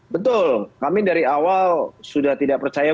betul kami dari awal sudah tidak percaya